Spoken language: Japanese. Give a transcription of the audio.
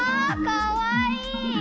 かわいい！